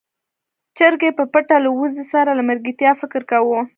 چرګې په پټه له وزې سره د ملګرتيا فکر کاوه.